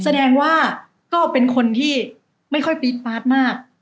แสดงว่าก็เป็นคนที่ไม่ค่อยปี๊ดปาร์ดมาก